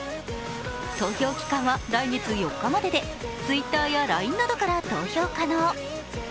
投票期間は来月４日まででＴｗｉｔｔｅｒやＬＩＮＥなどから投票可能。